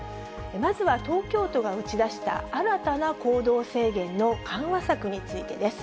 まずは東京都が打ち出した新たな行動制限の緩和策についてです。